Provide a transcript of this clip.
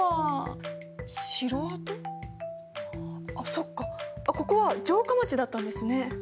そっかここは城下町だったんですね。